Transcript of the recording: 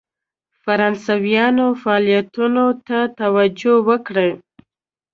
فرانسویانو فعالیتونو ته توجه وکړي.